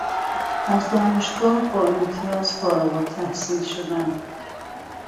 از دانشگاه با امتیاز فارغالتحصیل شدن